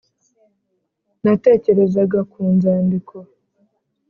natekerezaga ku nzandiko,